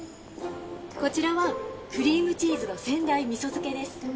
こちらは「クリームチーズの仙臺みそ漬」です。